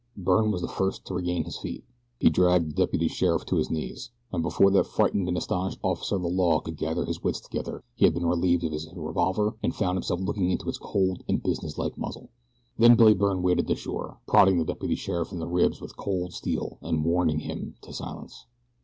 Byrne was the first to regain his feet. He dragged the deputy sheriff to his knees, and before that frightened and astonished officer of the law could gather his wits together he had been relieved of his revolver and found himself looking into its cold and business like muzzle. Then Billy Byrne waded ashore, prodding the deputy sheriff in the ribs with cold steel, and warning him to silence.